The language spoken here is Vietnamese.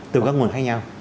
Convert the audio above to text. từ các nguồn khác nhau